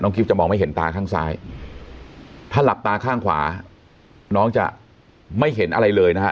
คลิปจะมองไม่เห็นตาข้างซ้ายถ้าหลับตาข้างขวาน้องจะไม่เห็นอะไรเลยนะฮะ